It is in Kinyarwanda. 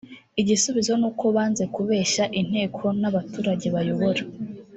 igisubizo n’uko banze kubeshya inteko n’abaturage bayobora